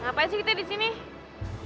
ngapain sih kita disini